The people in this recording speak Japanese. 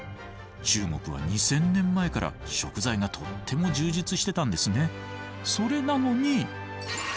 中国は２，０００年前から食材がとっても充実してたんですね。